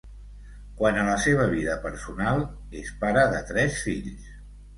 Quant a la seva vida personal, és pare de tres fills.